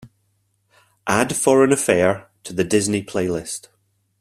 Add Foreign Affair to the disney playlist.